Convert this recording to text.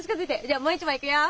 じゃもう一枚いくよ！